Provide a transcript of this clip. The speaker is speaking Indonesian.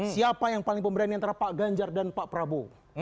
siapa yang paling pemberani antara pak ganjar dan pak prabowo